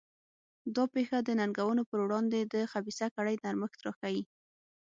دا پېښه د ننګونو پر وړاندې د خبیثه کړۍ نرمښت راښيي.